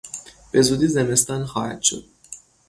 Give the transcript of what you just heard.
بزودی زمستان خواهد شد.